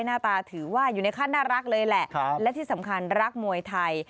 หน้าตาถือว่าอยู่ในขั้นน่ารักเลยแหละและที่สำคัญรักมวยไทย